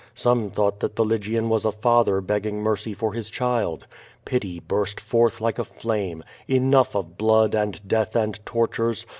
Some thought that the Lygian was a father begging mercy for QVO VADI8. ^»jg his child. Pity burst forth like a flame. Enough of blood and death and tortures!